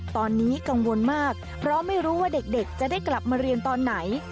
ตอนนี้กังวลมากเพราะไม่รู้ว่าเด็กจะได้กลับมาเรียนตอนไหน